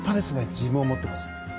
自分を持っています。